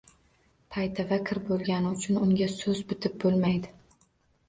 Paytava kir bo’lgani uchun unga So’z bitib bo’lmaydi.